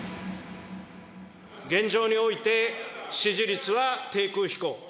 現状において、支持率は低空飛行。